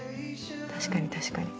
確かに確かに。